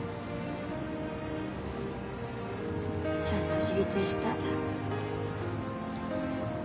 ちゃんと自立したい。